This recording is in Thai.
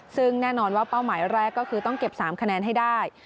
ซึ่งแน่นอนว่าเป้าหมายแรกก็คือต้องเก็บ๓คะแนนให้ได้